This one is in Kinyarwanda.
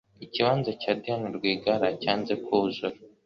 ikibanza cya diane rwigara cyanze kuzzura